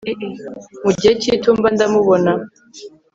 Mu gihe cyitumba ndamubona